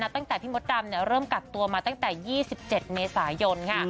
ตั้งแต่พี่มดดำเริ่มกักตัวมาตั้งแต่๒๗เมษายน